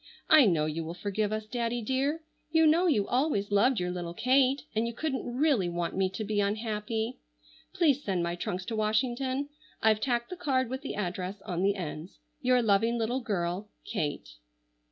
I know you will forgive us, Daddy dear. You know you always loved your little Kate and you couldn't really want me to be unhappy. Please send my trunks to Washington. I've tacked the card with the address on the ends. "Your loving little girl, "KATE."